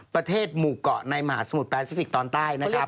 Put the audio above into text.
ประเทศหมู่เกาะในมหาสมุทรแปซิฟิกตอนใต้นะครับ